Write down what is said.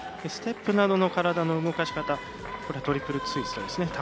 ステップなどの体の動かし方トリプルツイストですね